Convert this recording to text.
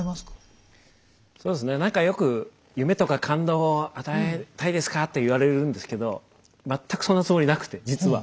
そうですね何かよく夢とか感動を与えたいですかっていわれるんですけど全くそんなつもりなくて実は。